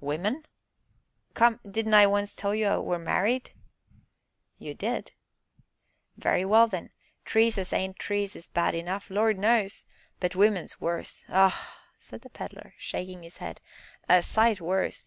"Women?" "Come, didn't I 'once tell you I were married?" "You did." "Very well then! Trees as ain't trees is bad enough, Lord knows! but women's worse ah!" said the Pedler, shaking his head, "a sight worse!